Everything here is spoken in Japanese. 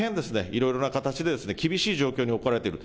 いろいろな形で厳しい状況に置かれている。